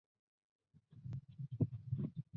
他是西班牙共产党和联合左翼的成员。